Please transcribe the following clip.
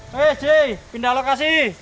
hei jay pindah lokasi